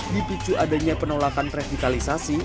dipicu adanya penolakan kredikalisasi